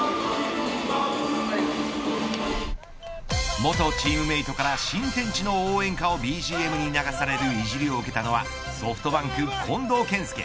元チームメートから新天地の応援歌をＢＧＭに流されるイジりを受けたのはソフトバンク近藤健介。